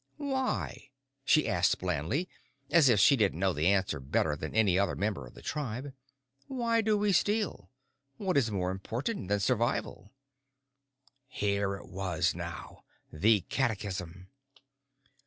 "Why?" she asked blandly, as if she didn't know the answer better than any other member of the tribe. "Why do we steal? What is more important than survival?" Here it was now. The catechism.